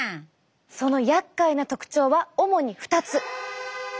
そのやっかいな特徴は主に２つ！